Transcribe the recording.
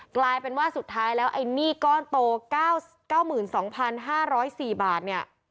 กลายเป็นว่าสุดท้ายแล้วไอ้หนี้ก้อนโต๙๒๕๐๔บาทเนี่ย